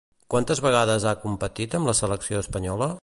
Quantes vegades ha competit amb la selecció espanyola?